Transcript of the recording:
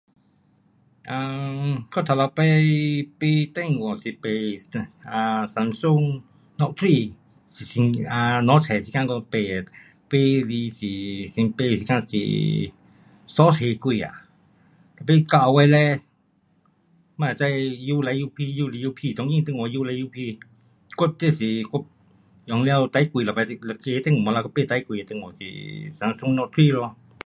um 我头一次买电话是买 [um]samsung note three,[um] 刚出时间我买的，买来是新买的时间是三千多啊，买到后位嘞，哪会知越来越便，当今电话越来越便。我这是我用了最过一次的一个电话啦，我买最贵的电话是 samsung note three 咯。